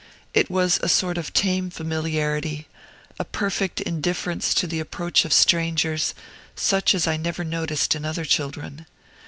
It was a sort of tame familiarity, a perfect indifference to the approach of strangers, such as I never noticed in other children.